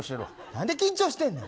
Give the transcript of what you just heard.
何で緊張してるんや。